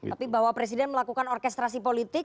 tapi bahwa presiden melakukan orkestrasi politik